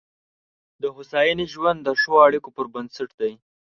د هوساینې ژوند د ښو اړیکو پر بنسټ دی.